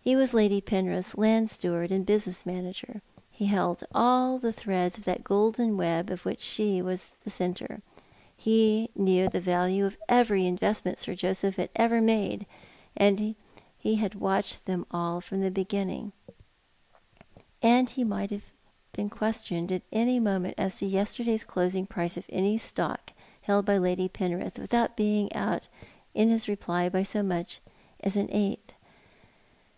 He was Lady Penrith's land steward and business manager. He held all the threads of that golden web of which she was the centre. He knew the value of every investment Lady PcnrifJis Idea. 197 • Sir Joseph had ever n.ado, for he had watched them all from the Ivtrinuing ; and he might have been questioned at anv moment as to yesterday's closini:; prieo of any stock held by Lady Penrith without being out in his reply by so miich as au eighth.